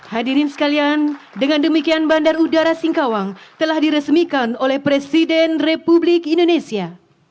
hadirin sekalian dengan demikian bandar udara singkawang telah diresmikan oleh presiden republik indonesia